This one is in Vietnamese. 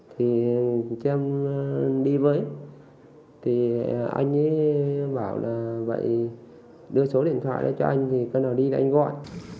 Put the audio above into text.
thì em đi với thì anh ấy bảo là vậy đưa số điện thoại cho anh cái nào đi thì anh gọi